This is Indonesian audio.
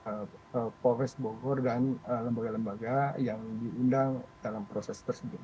dan juga dengan proses yang diundang oleh pores bogor dan lembaga lembaga yang diundang dalam proses tersebut